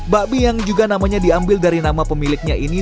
bakmi yang juga namanya diambil dari nama pemiliknya ini